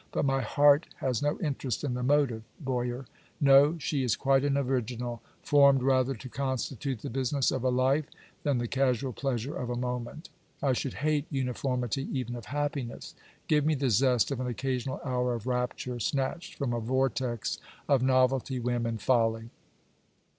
But my heart has no interest in the motive, Boyer. No; she is quite an original, formed rather to constitute the business of a life, than the casual pleasure of a moment. I should hate uniformity even of happiness. Give me the zest of an occasional hour of rapture, snatched from a vortex of novelty, whim, and folly.